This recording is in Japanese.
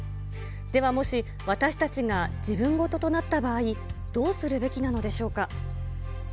ではもし、私たちが自分事となった場合、どうするべきなのでしょうか。